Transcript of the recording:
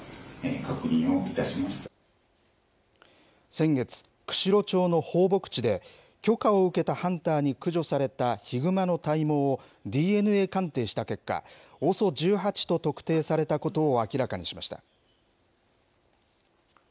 先月、釧路町の放牧地で、許可を受けたハンターに駆除されたヒグマの体毛をＤＮＡ鑑定した結果、ＯＳＯ１８と特定されたことを明らかにしました。